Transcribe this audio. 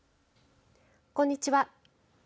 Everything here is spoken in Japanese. こんにちは。